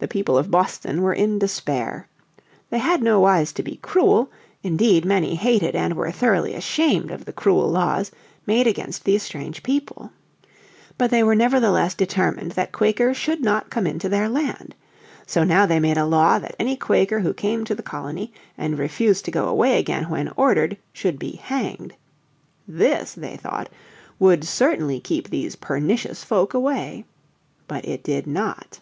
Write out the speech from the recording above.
The people of Boston were in despair. They had no wise to be cruel; indeed, many hated, and were thoroughly ashamed of, the cruel laws, made against these strange people. But they were nevertheless determined that Quakers should not come into their land. So now they made a law that any Quaker who came to the colony and refused to go away again when ordered should be hanged. This, they thought, would certainly keep these pernicious folk away. But it did not.